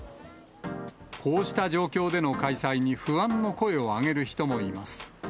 こうした状況での開催に、不安の声を上げる人もいます。